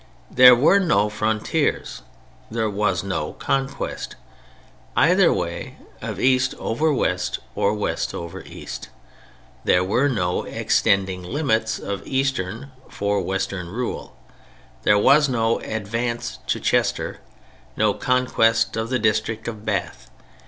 There were no "frontiers:" there was no "conquest" either way—of east over west or west over east. There were no "extending" limits of Eastern (or of Western) rule. There was no "advance to Chester," no "conquest of the district of Bath."